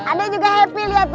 ada juga happy liat tuh